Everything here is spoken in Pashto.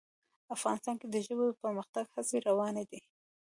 افغانستان کې د ژبو د پرمختګ هڅې روانې دي.